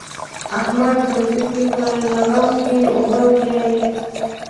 احمد د ځمکې په لغم کې اوبه بيايي.